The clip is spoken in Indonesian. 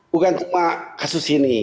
bukan cuma kasus ini